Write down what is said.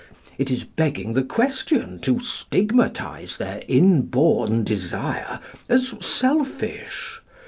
It is begging the question to stigmatise their inborn desire as selfish.